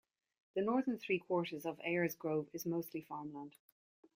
The northern three-quarters of Eyers Grove is mostly farmland.